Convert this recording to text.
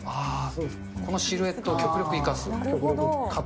このシルエットを極力生かす。